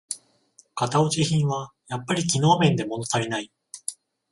型落ち品はやっぱり機能面でものたりない